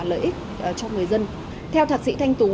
lợi ích cho người dân theo thạc sĩ thanh tú